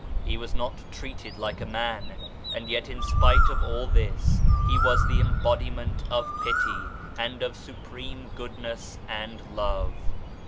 He was not treated like a man and yet in spite of all this He was the embodiment of Pity and of supreme Goodness and Love.